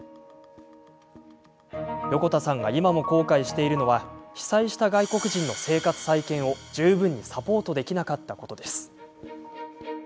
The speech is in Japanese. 横田さんが今も後悔しているのは被災した外国人の生活再建を十分にサポートできなかったことです。